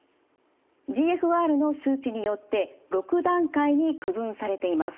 ＧＦＲの数値によって６段階に区分されています。